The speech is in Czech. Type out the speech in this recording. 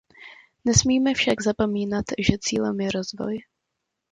Nesmíme však zapomínat, že cílem je rozvoj.